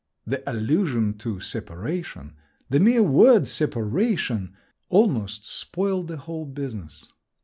… The allusion to "separation"—the mere word "separation"—almost spoiled the whole business….